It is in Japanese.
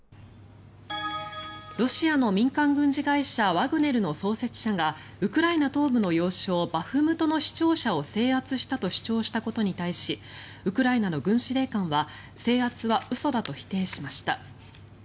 ロシアの民間軍事会社ワグネルの創設者がウクライナ東部の要衝バフムトの市庁舎を制圧したと主張したことに対しウクライナの軍司令官は制圧は嘘だと否定しました。